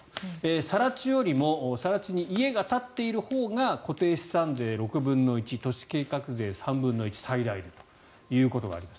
更地よりも更地に家が建っているほうが固定資産税６分の１都市計画税３分の１最大でということがあります。